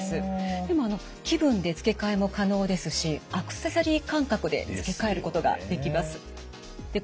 でも気分で付け替えも可能ですしアクセサリー感覚で付け替えることができます。